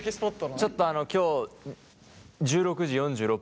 「ちょっと今日１６時４６分にさ」。